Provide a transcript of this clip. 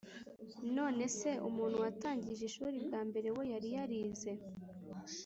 Nonese umuntu watangije ishuri bwambere we yari yarize